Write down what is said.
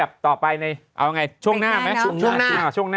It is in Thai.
อ่าผ่านไปแล้ว๑วัทน์